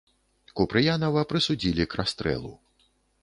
Купрыянава прысудзілі к расстрэлу.